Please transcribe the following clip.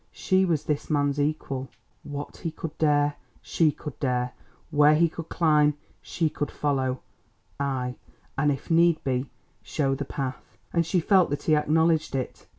She was this man's equal; what he could dare, she could dare; where he could climb, she could follow—ay, and if need be, show the path, and she felt that he acknowledged it.